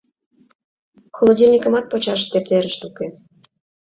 Холодильникымат почаш тептерышт уке.